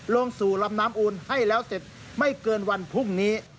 ลงสู่ลำน้ำอูนให้แล้วเสร็จไม่เกินวันพรุ่งนี้